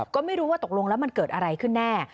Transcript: ก็ไม่รู้ว่าตกลงแล้วมันเกิดอะไรขึ้นแน่